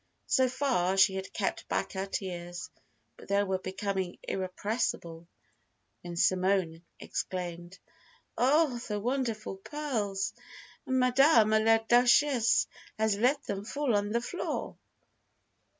So far, she had kept back her tears, but they were becoming irrepressible when Simone exclaimed: "Oh, the wonderful pearls! Madame la Duchesse has let them fall on the floor."